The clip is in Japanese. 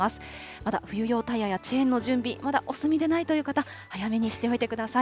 まだ冬用タイヤやチェーンの準備、まだお済みでないという方、早めにしておいてください。